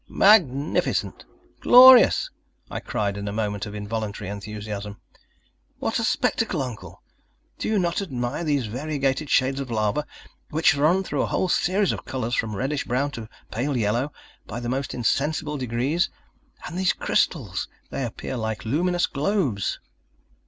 "Magnificent, glorious!" I cried in a moment of involuntary enthusiasm, "What a spectacle, Uncle! Do you not admire these variegated shades of lava, which run through a whole series of colors, from reddish brown to pale yellow by the most insensible degrees? And these crystals, they appear like luminous globes."